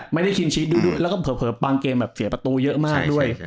ไม่ได้กินชีสแล้วก็เผลอบางเกมเสียประตูเยอะมากด้วย